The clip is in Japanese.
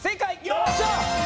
よっしゃ！